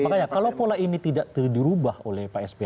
makanya kalau pola ini tidak dirubah oleh pak sp